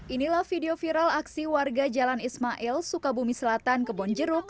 inilah video viral aksi warga jalan ismail sukabumi selatan kebonjeruk